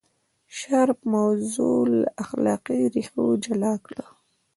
شارپ موضوع له اخلاقي ریښو جلا کړه.